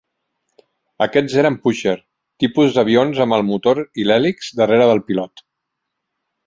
Aquests eren "Pusher" tipus d'avions amb el motor i l'hèlix darrere del pilot.